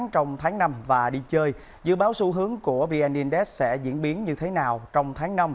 trong tháng năm và đi chơi dự báo xu hướng của vn index sẽ diễn biến như thế nào trong tháng năm